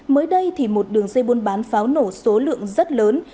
mới đây thì một đường dây buôn bán pháo nổ số lượng rất lớn